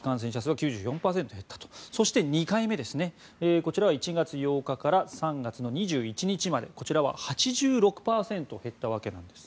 そして２回目は１月８日から３月の２１日までこちらは８６％減ったわけなんです。